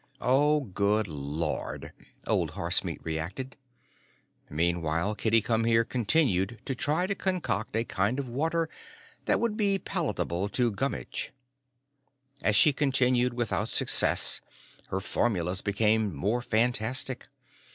"Oh, Good Lord!" Old Horsemeat reacted. Meanwhile Kitty Come Here continued to try to concoct a kind of water that would be palatable to Gummitch. As she continued without success, her formulas became more fantastic.